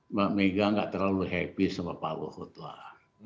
mbak mega gak terlalu happy sama pak luhut lah